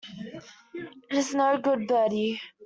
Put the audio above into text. It's no good, Bertie.